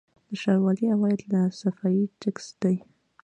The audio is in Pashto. د ښاروالۍ عواید له صفايي ټکس دي